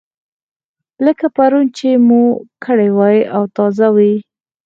لکه پرون چې مو کړې وي او تازه وي.